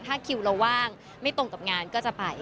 ถ้าคิวเราว่างไม่ตรงกับงานก็จะไป